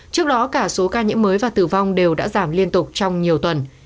trước đó cả số ca nhiễm mới và tử vong đều đã giảm liên tục trong nhiều tuần